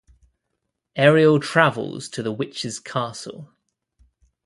Aeriel travels to the Witch's castle.